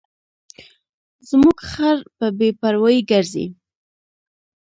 زموږ خر په بې پروایۍ ګرځي.